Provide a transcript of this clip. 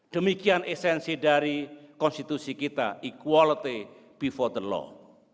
demikian esensi dari konstitusi kita equality before the law